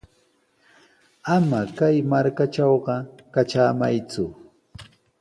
Ama kay markatrawqa katramayku.